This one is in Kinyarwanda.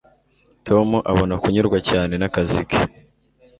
Tom abona kunyurwa cyane nakazi ke.